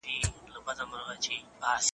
ځینې کلاګانې نړېدلې وې.